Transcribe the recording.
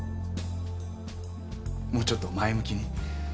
もうちょっと前向きに。